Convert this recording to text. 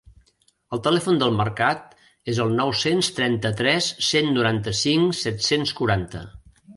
El telèfon del mercat és el nou-cents trenta-tres cent noranta-cinc set-cents quaranta.